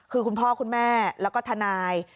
คือคุณพ่อคุณแม่แล้วก็ทนาย